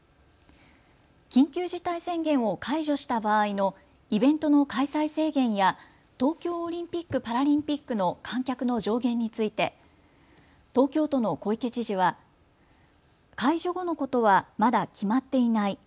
緊急事態宣言を解除した場合のイベントの開催制限や東京オリンピック・パラリンピックの観客の上限について東京都の小池知事は解除後のことはまだ決まっていない。